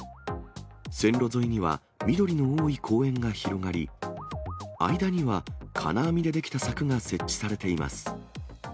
線路沿いには緑の多い公園が広がり、間には金網で出来た柵が設置されています。